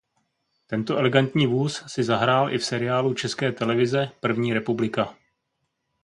Tento elegantní vůz si „zahrál“ i v seriálu České televize První republika.